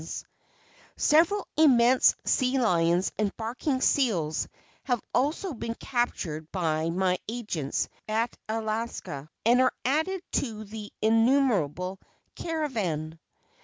Several immense Sea Lions and Barking Seals have also been captured by my agents at Alaska and are added to the "innumerable caravan."